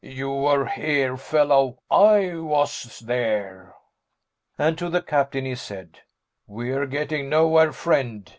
"You were here, fellow I was there." And to the captain he said, "We're getting nowhere, friend.